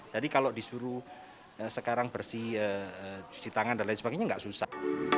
jadi kalau disuruh sekarang bersih cuci tangan dan lain sebagainya enggak susah